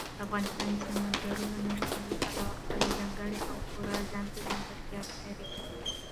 افغانستان د سمندر نه شتون له پلوه خپله ځانګړې او پوره ځانته ځانګړتیاوې لري.